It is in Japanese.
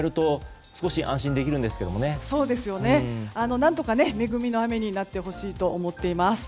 何とか、恵みの雨になってほしいと思っています。